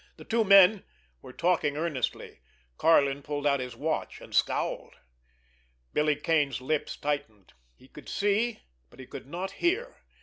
The two men were talking earnestly. Karlin pulled out his watch, and scowled. Billy Kane's lips tightened. He could see, but he could not hear.